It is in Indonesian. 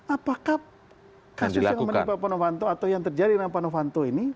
apakah kasus yang menimpa pano fanto atau yang terjadi dengan pano fanto ini